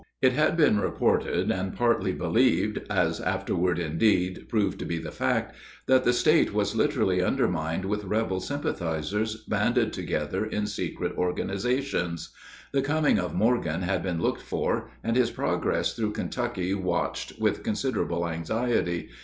It had been reported, and partly believed, as afterward indeed proved to be the fact, that the State was literally undermined with rebel sympathizers banded together in secret organizations. The coming of Morgan had been looked for, and his progress through Kentucky watched with considerable anxiety.